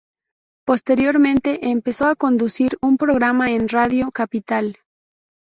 Posteriormente empezó a conducir un programa en Radio Capital.